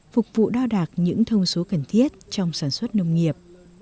phục vụ đo đạc những thông số cần thiết trong sản xuất nông nghiệp